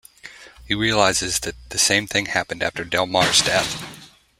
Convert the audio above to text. He realizes that the same thing happened after Delmarre's death.